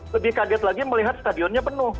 lebih kaget lagi melihat stadionnya penuh